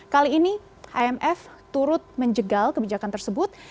kali ini imf turut menjegal kebijakan tersebut